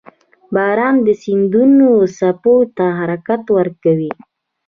• باران د سیندونو څپو ته حرکت ورکوي.